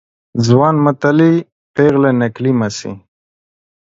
ځوان متلي ، پيغله نکلي مه سي.